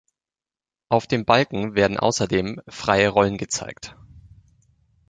Auf dem Balken werden außerdem freie Rollen gezeigt.